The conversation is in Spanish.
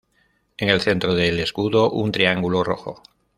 En el centro del escudo un triángulo rojo.